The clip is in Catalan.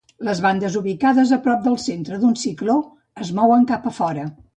Les bandes ubicades a prop del centre d'un cicló es mouen cap a fora.